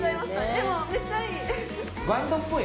でもめっちゃいい！